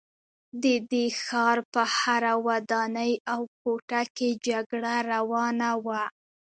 د دې ښار په هره ودانۍ او کوټه کې جګړه روانه وه